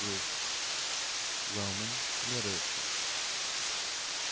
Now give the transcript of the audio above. ROMAN LITERATURE.